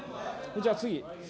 じゃあ、次。